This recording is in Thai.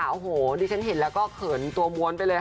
โอ้โหดิฉันเห็นแล้วก็เขินตัวม้วนไปเลยค่ะ